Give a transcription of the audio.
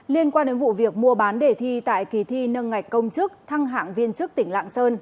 liên quan đến vụ việc mua bán đề thi tại kỳ thi nâng ngạch công chức thăng hạng viên chức tỉnh lạng sơn